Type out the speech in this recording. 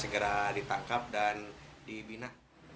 segera ditangkap dan dibina